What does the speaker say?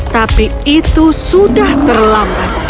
tapi itu sudah terlambat